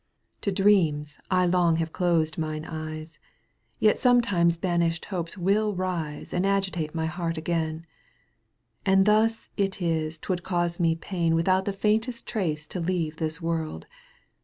To dreams I long have closed mine eyes, Yet sometimes banished hopes will rise And agitate my heart again ; And thus it is 'twould cause me pain Without the faintest trace to leave This world.